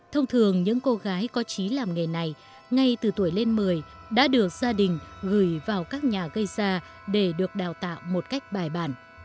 thông thường những cô gái có trí làm nghề này ngay từ tuổi lên một mươi đã được gia đình gửi vào các nhà gây ra để được đào tạo một cách bài bản